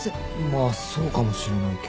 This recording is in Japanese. まあそうかもしれないけど。